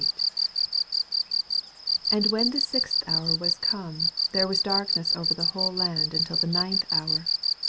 33 And when the sixth hour was come, there was darkness over the whole land nntil the ninth hour.